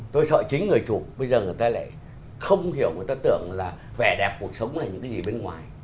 tôi sợ chính người chủ bây giờ người ta lại không hiểu người ta tưởng là vẻ đẹp cuộc sống là những cái gì bên ngoài